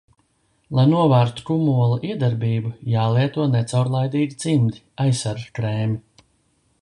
Lai novērstu kumola iedarbību, jālieto necaurlaidīgi cimdi, aizsargkrēmi.